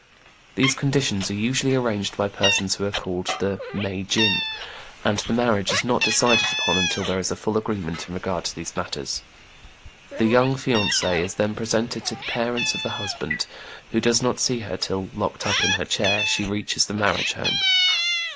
These conditions are usually arranged by persons who are called the " mei jin, and the marriage is not decided upon until there is a full agreement in regard to these matters. The young fiancée is then presented to the parents of the husband, who does not see her till, locked up in her chair, she reaches the marriage home.